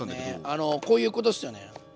あのこういうことですよね。